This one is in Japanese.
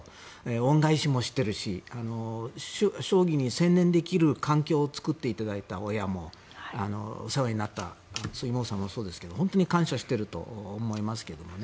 恩返しもしているし将棋に専念できる環境を作っていただいた親もお世話になった杉本さんもそうですけど本当に感謝していると思いますけどね。